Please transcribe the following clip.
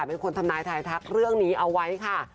เป็นคนทำนายทายทักเรื่องนี้เอาไว้ค่ะ